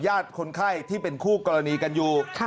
คนไข้ที่เป็นคู่กรณีกันอยู่